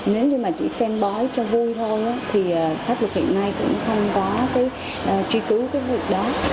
nếu như mà chỉ xem bói cho vui thôi thì pháp luật hiện nay cũng không có cái truy cứu cái việc đó